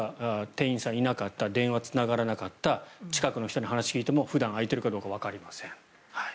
店員さん、いなかった電話、つながらなかった近くの人に話を聞いても普段、開いているかどうかわかりません。